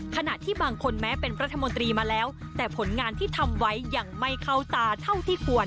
ขณะที่บางคนแม้เป็นรัฐมนตรีมาแล้วแต่ผลงานที่ทำไว้ยังไม่เข้าตาเท่าที่ควร